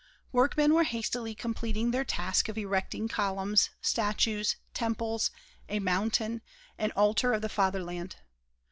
Workmen were hastily completing their task of erecting columns, statues, temples, a "mountain," an altar of the Fatherland.